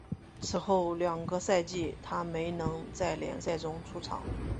此后两个赛季他没能在联赛中出场。